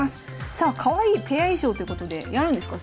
さあかわいいペア衣装ということでやるんですか？